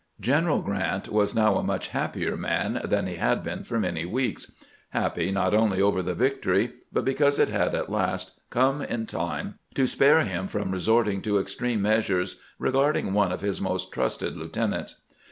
G eneral Grant was now a much happier man than he 350 CAMPAIGNING WITH GRANT had been for many weeks — tappy not only over the victory, bnt because it bad at last come in time to spare him from resorting to extreme measures regarding one of his most trusted lieutenants.